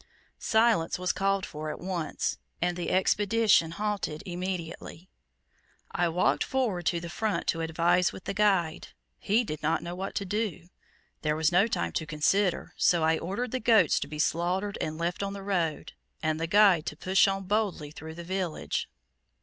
Silence was called for at once, and the Expedition halted immediately. I walked forward to the front to advise with the guide. He did not know what to do. There was no time to consider, so I ordered the goats to be slaughtered and left on the road, and the guide to push on boldly through the village.